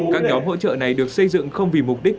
các nhóm hỗ trợ này được xây dựng không vì mục đích